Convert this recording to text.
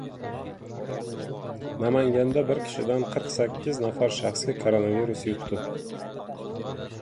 Namanganda bir kishidan qirq sakkiz nafar shaxsga koronavirus yuqdi